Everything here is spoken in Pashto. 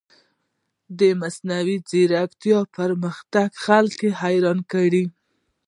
د مصنوعي ځیرکتیا پرمختګ خلک حیران کړي.